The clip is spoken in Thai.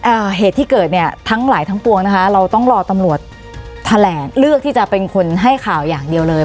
อ่าเหตุที่เกิดเนี่ยทั้งหลายทั้งปวงนะคะเราต้องรอตำรวจแถลงเลือกที่จะเป็นคนให้ข่าวอย่างเดียวเลย